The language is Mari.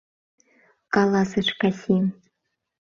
— каласыш Касим.